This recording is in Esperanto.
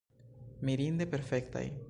Mirinde perfektaj.